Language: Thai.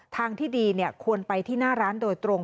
ทางที่ดีควรไปที่หน้าร้านโดยตรง